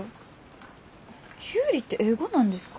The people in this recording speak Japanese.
きゅうりって英語なんですか？